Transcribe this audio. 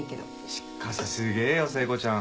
しっかしすげぇよ聖子ちゃん